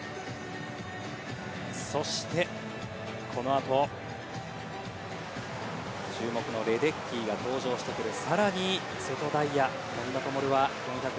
そして、このあと注目のレデッキーが登場してくる。